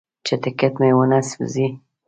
چې ټکټ مې ونه سوځوي.